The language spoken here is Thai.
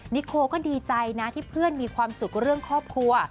นิโคก็ดีใจนะที่เพื่อนมีความสุขเรื่องครอบครัว